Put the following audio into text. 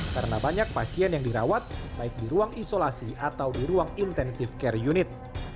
karena banyak pasien yang dirawat baik di ruang isolasi atau di ruang intensif care unit